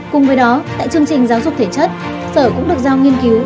cùng với đó tại chương trình giáo dục thể chất sở cũng được giao nghiên cứu